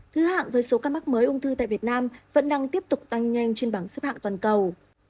thứ hạng với số ca mắc mới ung thư tại việt nam vẫn đang tiếp tục tăng nhanh trên bảng xếp hạng toàn cầu